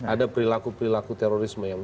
ada perilaku perilaku terorisme yang